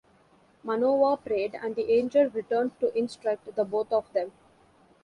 Manoah prayed and the angel returned to instruct the both of them.